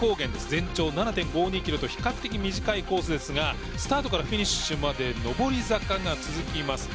全長７．５２ｋｍと比較的短いコースですがスタートからフィニッシュまで上り坂が続きます。